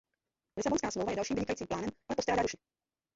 Lisabonská smlouva je dalším vynikajícím plánem, ale postrádá duši.